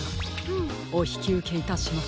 おひきうけいたします。